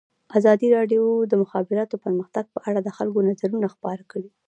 ازادي راډیو د د مخابراتو پرمختګ په اړه د خلکو نظرونه خپاره کړي.